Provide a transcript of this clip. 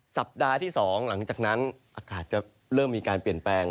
สัปดาห์ที่๒หลังจากนั้นอากาศจะเริ่มมีการเปลี่ยนแปลง